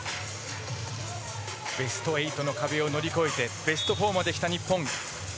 ベスト８の壁を乗り越えてベスト４まで来た日本。